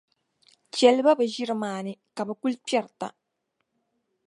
Chεliba bɛ ʒiri maa ni, ka bɛ kuli kpiɛrita.